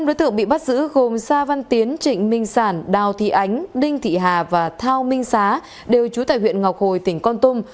năm đối tượng bị bắt giữ gồm sa văn tiến trịnh minh sản đào thị ánh đinh thị hà và thao minh xá đều trú tại huyện ngọc hồi tỉnh con tum